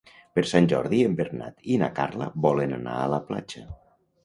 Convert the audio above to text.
Per Sant Jordi en Bernat i na Carla volen anar a la platja.